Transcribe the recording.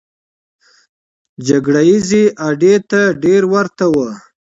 جګړه ییزې اډې ته ډېره ورته وه.